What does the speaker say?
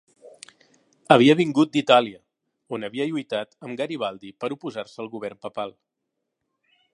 Havia vingut d'Itàlia on havia lluitat amb Garibaldi per oposar-se al govern papal.